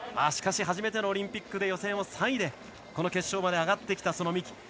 しかし、初めてのオリンピックで予選は３位でこの決勝まで上がってきた三木。